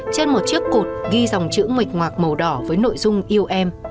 trên một chiếc cột ghi dòng chữ mệt ngoạc màu đỏ với nội dung yêu em